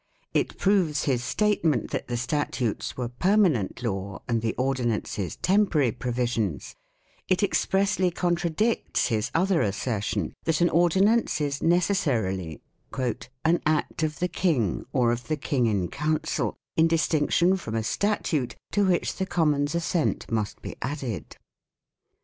It proves his statement that the statutes were permanent law and the ordinances temporary pro visions; it expressly contradicts his other assertion that an ordinance is necessarily " an act of the King or of the King in Council" in distinction from a statute, to which the Commons' assent must be added.